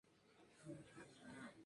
Uno de los gemelos fue Yaco.